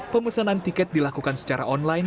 pemesanan tiket dilakukan secara online